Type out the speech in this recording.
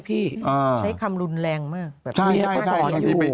ใช้คำรุนแรงเกินไป